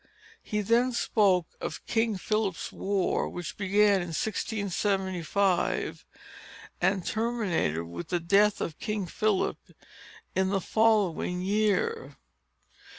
He then spoke of King Philip's war, which began in 1675, and terminated with the death of King Philip, in the following year.